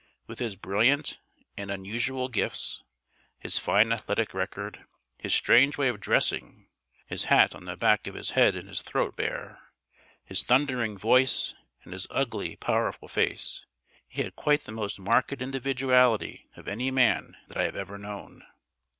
With his brilliant and unusual gifts, his fine athletic record, his strange way of dressing (his hat on the back of his head and his throat bare), his thundering voice, and his ugly, powerful face, he had quite the most marked individuality of any man that I have ever known.